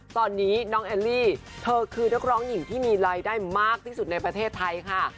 ตอนนี้น้องแอลลี่เธอคือนักร้องหญิงที่มีรายได้มากที่สุดในประเทศไทยค่ะ